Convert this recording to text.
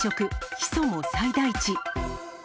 ヒ素も最大値。